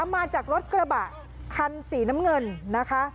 มาจากรถกระบะคันสีน้ำเงินนะคะ